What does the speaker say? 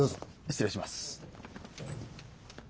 失礼します。